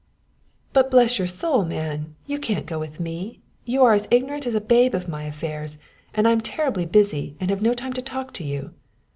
"But bless your soul, man, you can't go with me; you are as ignorant as a babe of my affairs, and I'm terribly busy and have no time to talk to you.